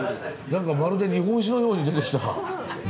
何かまるで日本酒のように出てきた。